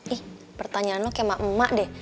ih pertanyaan lo kayak emak emak deh